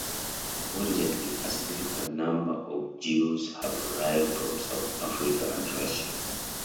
More recently, a significant number of Jews have arrived from South Africa and Russia.